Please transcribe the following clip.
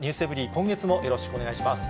今月もよろしくお願いします。